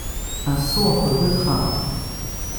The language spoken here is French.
Un saut entre deux trains !